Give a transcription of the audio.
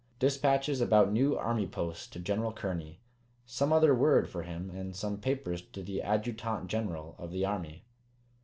"Dispatches about new Army posts to General Kearny. Some other word for him, and some papers to the Adjutant General of the Army.